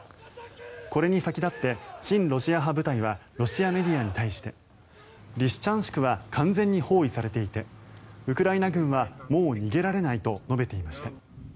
これに先立って親ロシア派部隊はロシアメディアに対してリシチャンシクは完全に包囲されていてウクライナ軍はもう逃げられないと述べていました。